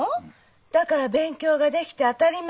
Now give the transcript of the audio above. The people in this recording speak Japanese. だから勉強ができて当たり前。